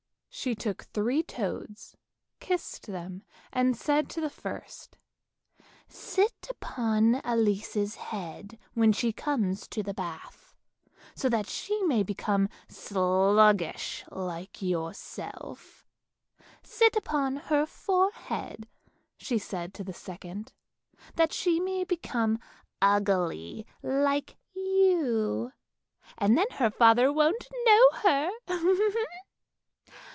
She took three toads, kissed them, and said to the first, " Sit upon Elise's head when she comes to the bath, so that she may become sluggish like yourself. Sit upon her forehead," she said to the second, " that she may become ugly like you, and then her father won't know her!